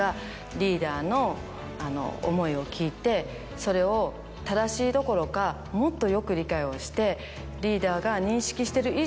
リーダーの思いを聞いてそれを正しいどころかもっとよく理解をして。